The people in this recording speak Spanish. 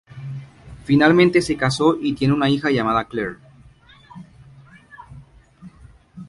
Finalmente se casó y tiene una hija llamada Claire.